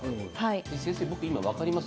先生、分かります？